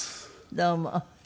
どうも。